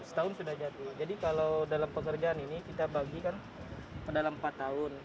setahun sudah jadi kalau dalam pekerjaan ini kita bagikan dalam empat tahun